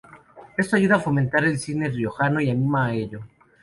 Esto ayuda a fomentar el cine riojano y anima a ello.